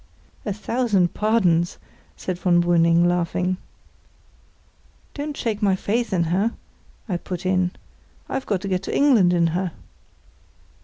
"A thousand pardons!" said von Brüning, laughing. "Don't shake my faith in her," I put in. "I've got to get to England in her."